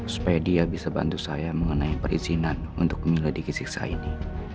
supaya dia bisa bantu saya mengenai perizinan untuk menyelidiki siksa ini